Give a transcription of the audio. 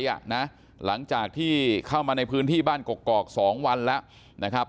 หลังจากที่เข้ามาในพื้นที่บ้านกกอก๒วันแล้วนะครับ